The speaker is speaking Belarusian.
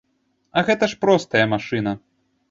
А гэта ж простая машына!